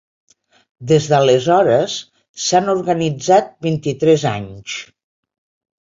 Des d’aleshores, s’han organitzat vint-i-tres anys.